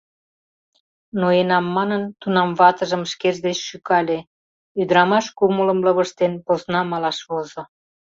Ноенам манын, тунам ватыжым шкеж деч шӱкале, ӱдырамаш кумылым лывыжтен, посна малаш возо.